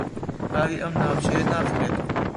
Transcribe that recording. ئاوی ئەم ناوچەیە ناخورێتەوە.